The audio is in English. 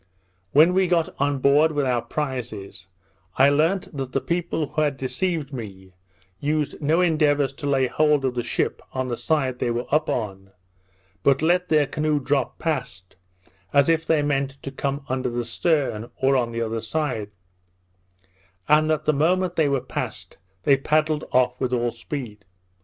When we got on board with our prizes, I learnt that the people who had deceived me, used no endeavours to lay hold of the ship on the side they were up on, but let their canoe drop past, as if they meant to come under the stern, or on the other side; and that the moment they were past, they paddled off with all speed.